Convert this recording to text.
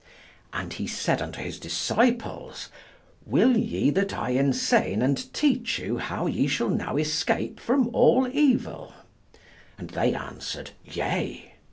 And he said unto his disciples: "Will ye that I enseign and teach you how ye shall now escape from all evil?" And they answered, "Yea."